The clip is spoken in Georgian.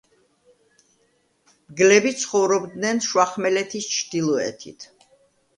მგლები ცხოვრობდნენ შუახმელეთის ჩრდილოეთით.